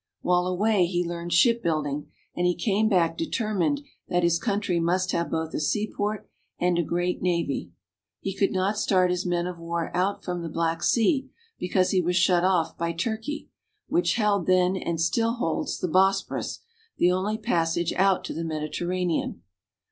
While away he learned shipbuilding, and he came back determined that his country must have both a seaport and a great navy. He could not start his men of war out from the Black Sea, because he was shut off by Turkey, which held then and still holds the Bosporus, the only passage out to the Mediterranean.